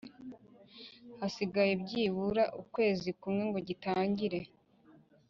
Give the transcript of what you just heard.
hasigaye byibura ukwezi kumwe ngo gitangire